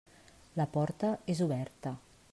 La porta és oberta.